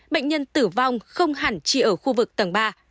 bệnh nhân tử vong không hẳn chỉ ở khu vực tầng ba